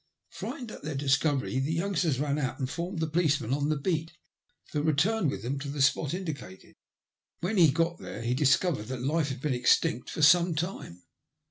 Frightened at their discovery, the youngsters ran out and informed the policeman on the beat, who returned with them to the spot indicated. When he got there he discovered that life had been extinct for some time."